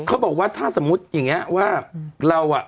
เขาบอกว่าถ้าสมมุติอย่างนี้ว่าเราอ่ะ